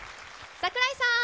櫻井さん。